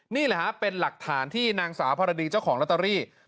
นี่แหละฮะเป็นหลักฐานที่นางสาวพรดีเจ้าของลอตเตอรี่